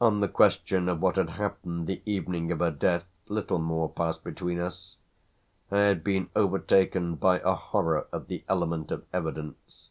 On the question of what had happened the evening of her death little more passed between us; I had been overtaken by a horror of the element of evidence.